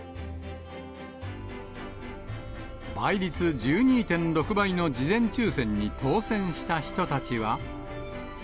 倍率１２．６倍の事前抽せんに当せんした人たちは。